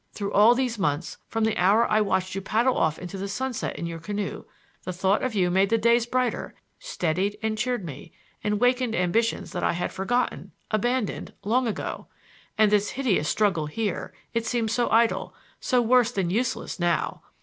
Through all these months, from the hour I watched you paddle off into the sunset in your canoe, the thought of you made the days brighter, steadied and cheered me, and wakened ambitions that I had forgotten—abandoned —long ago. And this hideous struggle here,—it seems so idle, so worse than useless now!